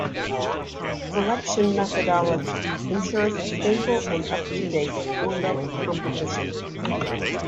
Selection methodology ensures a stable and up-to-date index composition.